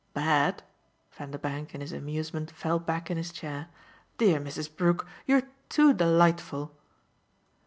"'Bad'?" Vanderbank, in his amusement, fell back in his chair. "Dear Mrs. Brook, you're too delightful!"